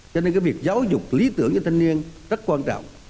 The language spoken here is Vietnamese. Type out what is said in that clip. cho nên cái việc giáo dục lý tưởng cho thanh niên rất quan trọng